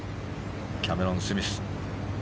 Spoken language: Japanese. キャメロン・スミス。